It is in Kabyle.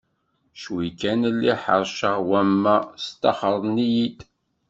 Cwi kan lliɣ ḥerceɣ wamma staxren-iyi-d.